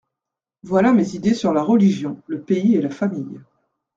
Voilà mes idées sur la religion, le pays et la famille.